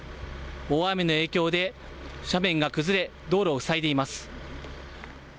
大雨の影響で斜面が崩れ、道路を塞いでいます。